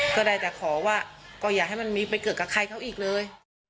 ก็ได้แต่ขอว่าก็อย่าให้มันมีไปเกิดกับใครเขาอีกเลย